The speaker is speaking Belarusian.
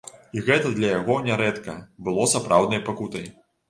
І гэта для яго нярэдка было сапраўднай пакутай!